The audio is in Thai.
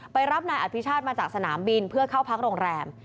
รับนายอภิชาติมาจากสนามบินเพื่อเข้าพักโรงแรม